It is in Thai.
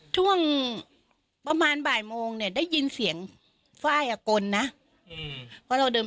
ช่วงประมาณบ่ายโมงได้ยินเสียงไฟล์อากลนะเพราะเราเดินไปเดินมาอย่างนี้